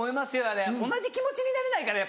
あれ同じ気持ちになれないから。